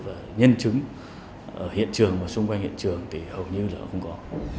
và nhân chứng hiện trường và xung quanh hiện trường thì hầu như là không có